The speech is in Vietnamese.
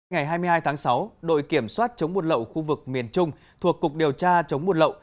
ngày hai mươi hai tháng sáu đội kiểm soát chống buôn lậu khu vực miền trung thuộc cục điều tra chống buôn lậu